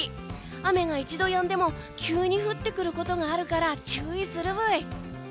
雨が一度やんでも急に降ってくることがあるから注意するブイ。